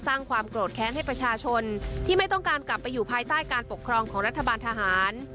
ความโกรธแค้นให้ประชาชนที่ไม่ต้องการกลับไปอยู่ภายใต้การปกครองของรัฐบาลทหาร